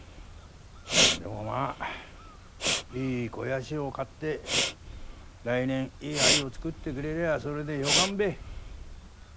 そんでもまぁいい肥やしを買って来年いい藍を作ってくれりゃそれでよかんべ。